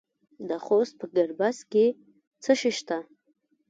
د خوست په ګربز کې څه شی شته؟